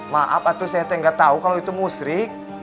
maaf atun saya teh gak tau kalau itu musrik